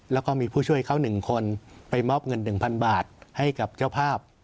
แล้วก็มีผู้ช่วยเขา๑คนไปมอบเงิน๑๐๐๐บาทให้กับเจ้าภาพ